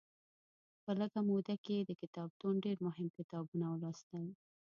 په لږه موده کې یې د کتابتون ډېر مهم کتابونه ولوستل.